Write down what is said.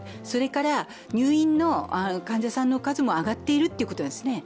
それから入院の患者さんの数も上がっているということです。